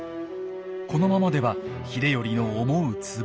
このままでは秀頼の思うつぼ。